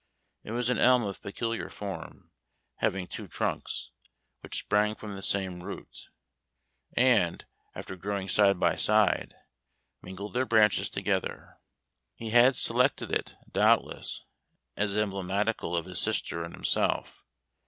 It was an elm of peculiar form, having two trunks, which sprang from the same root, and, after growing side by side, mingled their branches together. He had selected it, doubtless, as emblematical of his sister and himself.